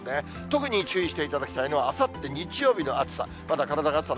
特に注意していただきたいのは、あさって日曜日の暑さ。